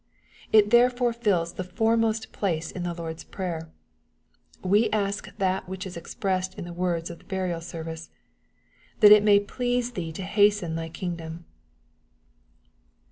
It therefore fills a foremost place in the Lord's prayer* We ask that which is expressed in the words of the Burial service, '^ that it may please thee to hasten thy kingdom.